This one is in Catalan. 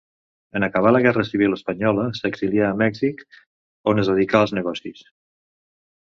En acabar la guerra civil espanyola s'exilià a Mèxic, on es dedicà als negocis.